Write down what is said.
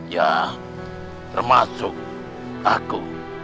ya termasuk aku